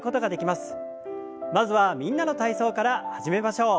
まずは「みんなの体操」から始めましょう。